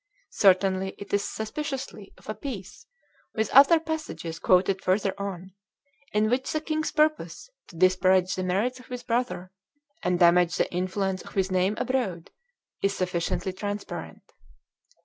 Certainly it is suspiciously "of a piece" with other passages, quoted further on, in which the king's purpose to disparage the merits of his brother, and damage the influence of his name abroad, is sufficiently transparent.